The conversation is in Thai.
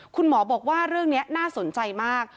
คุณหมอบอกว่าเรื่องนี้น่าสนใจมาก